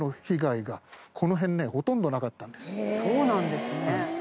そうなんですね。